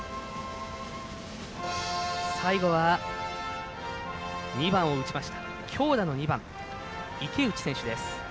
最後は、２番を打ちました強打の２番、池内選手です。